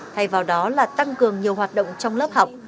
thay vào đó là tăng cường nhiều hoạt động trong lớp học